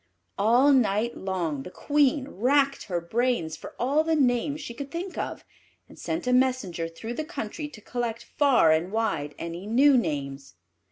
All night long the Queen racked her brains for all the names she could think of, and sent a messenger through the country to collect far and wide any new names.